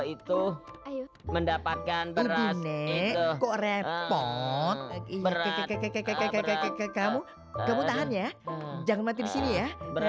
itu mendapatkan beras itu korepot berat kakak kakak kamu kamu tahan ya jangan mati di sini ya